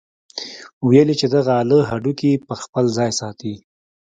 ويل يې چې دغه اله هډوکي پر خپل ځاى ساتي.